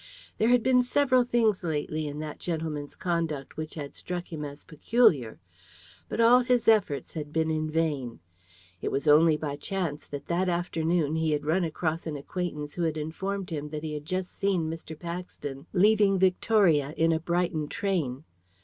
There had been several things lately in that gentleman's conduct which had struck him as peculiar. But all his efforts had been vain. It was only by chance that that afternoon he had run across an acquaintance who informed him that he had just seen Mr. Paxton leaving Victoria in a Brighton train.